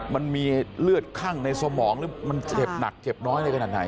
มันมีเลือดคั่งในสมองหรือมันเฉพนักเฉพน้อยในขนาดไหน